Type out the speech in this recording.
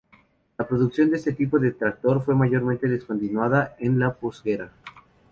La producción de este tipo de tractor fue mayormente descontinuada en la posguerra.